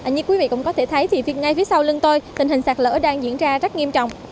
như quý vị cũng có thể thấy thì ngay phía sau lưng tôi tình hình sạt lỡ đang diễn ra rất nghiêm trọng